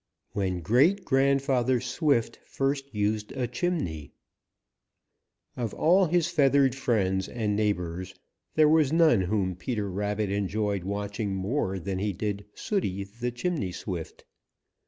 WHEN GREAT GRANDFATHER SWIFT FIRST USED A CHIMNEY |OF all his feathered friends and neighbors there was none whom Peter Rabbit enjoyed watching more than he did Sooty the Chimney Swift.